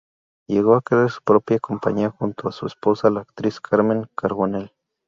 Llegó a crear su propia compañía junto a su esposa la actriz Carmen Carbonell.